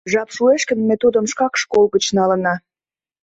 Жап шуэш гын, ме тудым шкак школ гыч налына.